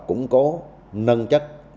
cũng cố nâng chất